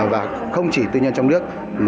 và không chỉ tư nhân trong nước